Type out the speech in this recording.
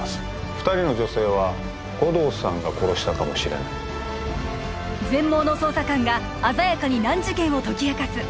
二人の女性は護道さんが殺したかもしれない全盲の捜査官が鮮やかに難事件を解き明かす